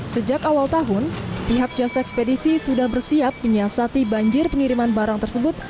sejak awal tahun pihak jasa ekspedisi sudah bersiap menyiasati banjir pengiriman barang tersebut